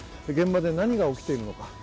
現場で何が起きているのか。